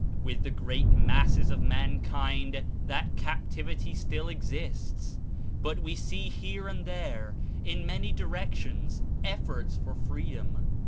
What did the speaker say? With the great masses of mankind that captivity still exists, but we see here and there, in many directions, efforts for freedom.